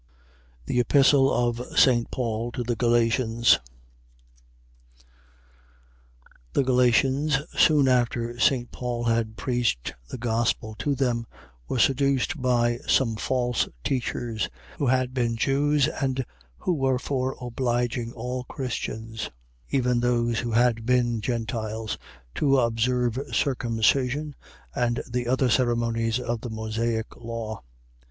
THE EPISTLE OF ST. PAUL TO THE GALATIANS The Galatians, soon after St. Paul had preached the Gospel to them, were seduced by some false teachers, who had been Jews and who were for obliging all Christians, even those who had been Gentiles, to observe circumcision and the other ceremonies of the Mosaical law.